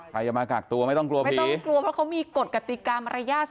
จะมากักตัวไม่ต้องกลัวผิดต้องกลัวเพราะเขามีกฎกติกรรมรยาท